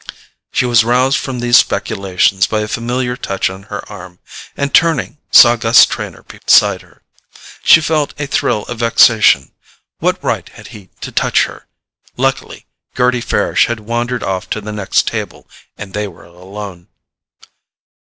She was roused from these speculations by a familiar touch on her arm, and turning saw Gus Trenor beside her. She felt a thrill of vexation: what right had he to touch her? Luckily Gerty Farish had wandered off to the next table, and they were alone.